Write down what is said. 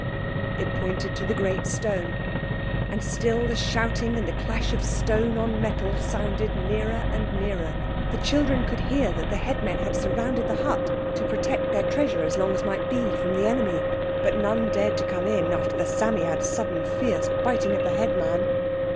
_" It pointed to the great stone. And still the shouting and the clash of stone on metal sounded nearer and nearer. The children could hear that the headmen had surrounded the hut to protect their treasure as long as might be from the enemy. But none dare to come in after the Psammead's sudden fierce biting of the headman.